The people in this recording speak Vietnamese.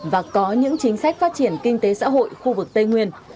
và có những chính sách phát triển kinh tế xã hội khu vực tây nguyên